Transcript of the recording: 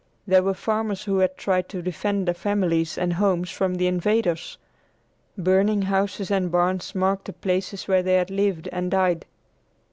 There were farmers who had tried to defend their families and homes from the invaders. Burning houses and barns marked the places where they had lived and died.